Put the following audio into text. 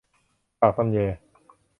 ปากตำแย